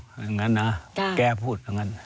อย่างนั้นนะแกพูดอย่างนั้น